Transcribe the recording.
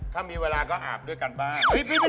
ถ้ามีเวลาก็อาบด้วยกันบ้าง